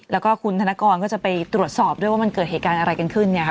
แล้วก็คุณธนกรก็จะไปตรวจสอบด้วยว่ามันเกิดเหตุการณ์อะไรกันขึ้นเนี่ยค่ะ